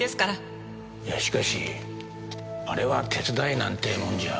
いやしかしあれは手伝いなんてもんじゃ。